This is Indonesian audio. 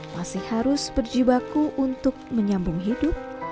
masih harus berjibaku untuk menyambung hidup